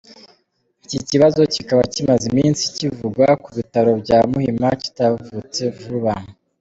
Iki kibazo kikaba kimaze iminsi kivugwa ku bitaro bya Muhima, kitavutse vuba.